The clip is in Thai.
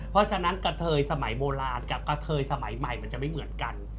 เพราะฉะนั้นกะเทยสมัยโบราณกับกะเทยสมัยใหม่มันจะไม่เหมือนกัน